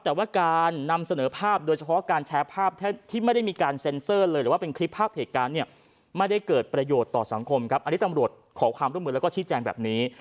แต่ว่าการนำเสนอภาพโดยเฉพาะการแชร์ภาพที่ไม่ได้มีการเซ็นเซอร์เลยหรือว่าเป็นคลิปภาพเหตุการณ์เนี่ยไม่ได้เกิดประโยชน์ต่อสังคมครับอันนี้ตำรวจขอความร่วมมือแล้วก็ชี้แจงแบบนี้